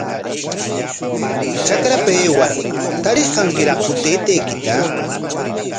Trakrapa aywar, ¿tarish kankiraqku taytaykita?